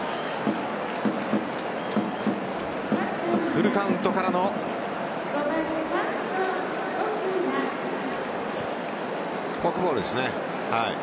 フルカウントからのフォークボールですね。